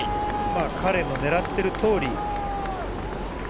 彼のねらってるとおり。